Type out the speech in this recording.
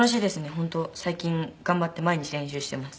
本当最近頑張って毎日練習しています。